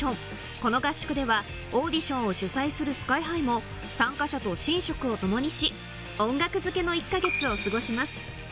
この合宿ではオーディションを主催するＳＫＹ−ＨＩも参加者と寝食を共にし音楽づけの１か月を過ごします